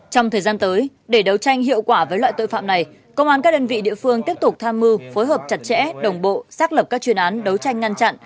trong thời gian tới để đấu tranh hiệu quả với loại tội phạm này công an các đơn vị địa phương tiếp tục tham mưu phối hợp chặt chẽ đồng bộ xác lập các chuyên án đấu tranh ngăn chặn